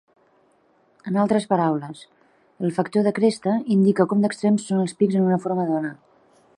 En altres paraules, el factor de cresta indica com d'extrems són els pics en una forma d'ona.